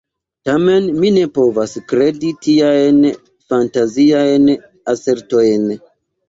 Tamen mi ne povas kredi tiajn fantaziajn asertojn.